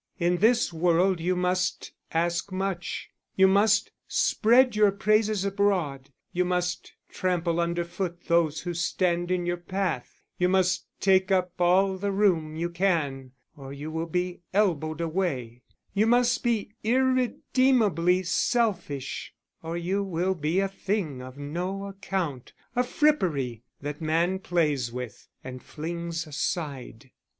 In this world you must ask much, you must spread your praises abroad, you must trample under foot those who stand in your path, you must take up all the room you can or you will be elbowed away; you must be irredeemably selfish, or you will be a thing of no account, a frippery that man plays with and flings aside.